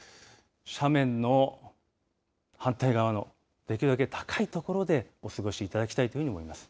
斜面の反対側のできるだけ高い所でお過ごしいただきたいというふうに思います。